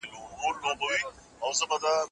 که بهرنۍ ژبه په لاس ولیکل سي نو ژر زده کیږي.